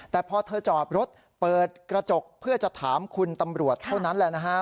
แต่พอเธอจอดรถเปิดกระจกเพื่อจะถามคุณตำรวจเท่านั้นแหละนะฮะ